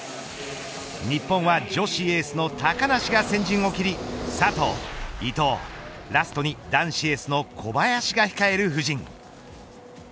日本は女子エースの高梨が先陣を切り佐藤、伊藤ラストに男子エースの小林が控える布陣。